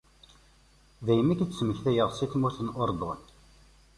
Daymi k-id-ttmektayeɣ, si tmurt n Urdun.